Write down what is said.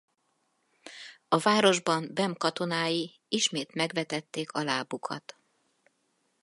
A városban Bem katonái ismét megvetették a lábukat.